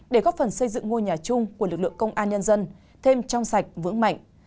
để góp phần xây dựng ngôi nhà chung của lực lượng công an nhân dân thêm trong sạch vững mạnh